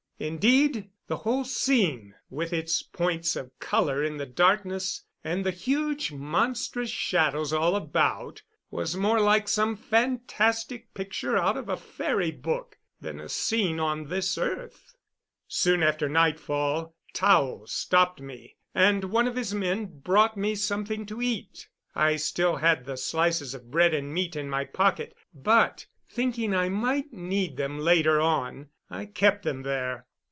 Indeed, the whole scene, with its points of color in the darkness, and the huge monstrous shadows all about, was more like some fantastic picture out of a fairy book than a scene on this earth. Soon after nightfall Tao stopped me, and one of his men brought me something to eat. I still had the slices of bread and meat in my pocket, but, thinking I might need them later on, I kept them there.